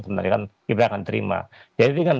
sebenarnya kan ibrakan terima jadi dengan